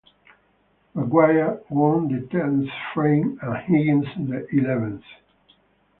Maguire won the tenth frame and Higgins the eleventh.